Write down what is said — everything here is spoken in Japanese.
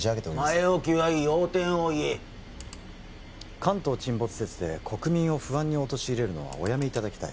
前置きはいい要点を言え関東沈没説で国民を不安に陥れるのはおやめいただきたい